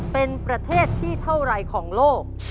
เป็นประเทศที่เท่าไรของโลก